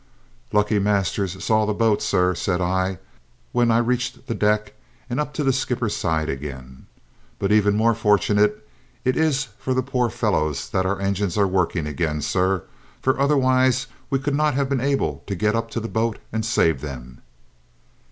"Lucky Masters saw the boat, sir," said I when I reached the deck and up to the skipper's side again. "But even more fortunate it is for the poor fellows that our engines are working again, sir, for otherwise we could not have been able to get up to the boat and save them."